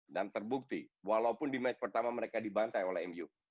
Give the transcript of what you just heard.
dan terbukti walaupun di match pertama mereka dibantai oleh mu